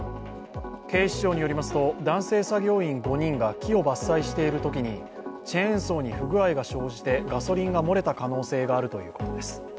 警視庁によりますと男性作業員５人が木を伐採しているときにチェーンソーに不具合が生じてガソリンが漏れた可能性があるということです。